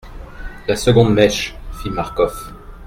La seconde mèche ! fit Marcof.